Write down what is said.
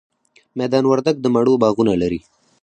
میدان وردګ د مڼو باغونه لري